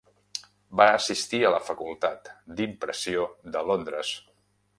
Va assistir a la Facultat d'Impressió de Londres.